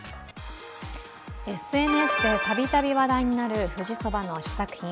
ＳＮＳでたびたび話題になる富士そばの試作品。